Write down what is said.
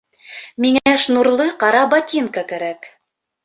Миңә шнурлы ҡара ботинка кәрәк